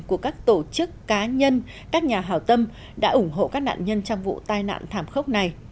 của các tổ chức cá nhân các nhà hào tâm đã ủng hộ các nạn nhân trong vụ tai nạn thảm khốc này